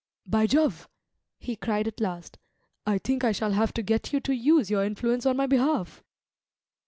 "By Jove," he cried at last, "I think I shall have to get you to use your influence on my behalf!"